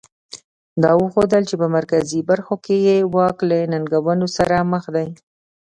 دا وښودل چې په مرکزي برخو کې یې واک له ننګونو سره مخ دی.